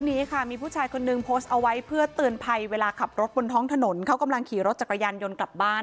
นี้ค่ะมีผู้ชายคนนึงโพสต์เอาไว้เพื่อเตือนภัยเวลาขับรถบนท้องถนนเขากำลังขี่รถจักรยานยนต์กลับบ้าน